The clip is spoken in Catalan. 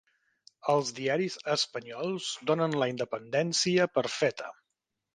Els diaris espanyols donen la independència per feta